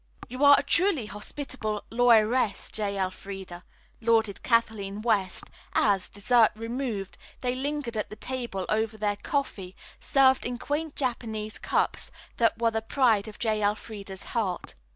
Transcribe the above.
"You are a truly hospitable lawyeress, J. Elfreda," lauded Kathleen West, as, dessert removed, they lingered at the table over their coffee, served in quaint Japanese cups that were the pride of J. Elfreda's heart.